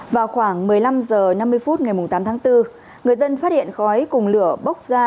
vào khoảng một mươi năm h năm mươi phút ngày tám tháng bốn người dân phát hiện khói cùng lửa bốc ra